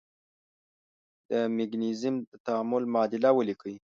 د مګنیزیم د تعامل معادله ولیکئ.